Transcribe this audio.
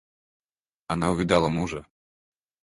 Она увидала мужа.